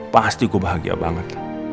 pasti gue bahagia banget